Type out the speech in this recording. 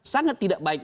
sangat tidak baik